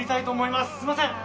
すいません